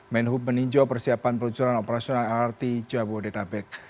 menhub meninjau persiapan peluncuran operasional lrt jabodetabek